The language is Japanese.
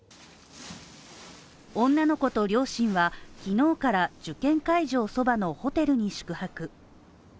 女の子と両親は昨日から受験会場そばのホテルに宿泊。